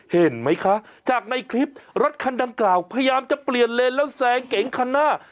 เห็นไหมคะจากในคลิปรถคันดังกล่าวพยายามจะเปลี่ยนเลนแล้วแซงเก๋งคันหน้า